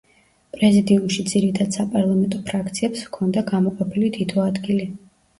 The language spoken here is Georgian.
პრეზიდიუმში ძირითად საპარლამენტო ფრაქციებს ჰქონდა გამოყოფილი თითო ადგილი.